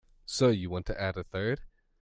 So you want to add a third?